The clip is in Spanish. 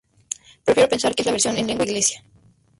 Prefiero pensar que es la versión en lengua inglesa.